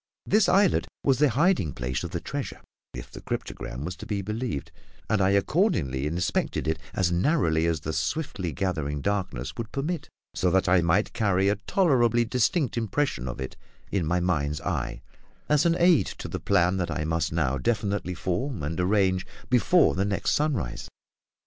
This islet was the hiding place of the treasure, if the cryptogram was to be believed; and I accordingly inspected it as narrowly as the swiftly gathering darkness would permit, so that I might carry a tolerably distinct impression of it in my mind's eye, as an aid to the plan that I must now definitely form and arrange before the next sunrise.